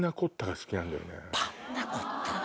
パンナコッタな！